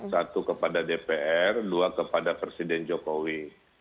satu kepada dpr dua kepada presiden jokowi